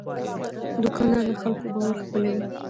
دوکاندار د خلکو باور خپلوي.